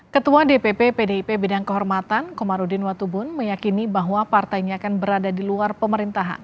ketua dpp pdip bidang kehormatan komarudin watubun meyakini bahwa partainya akan berada di luar pemerintahan